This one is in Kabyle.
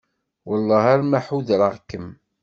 Wellah arma ḥudreɣ-kem.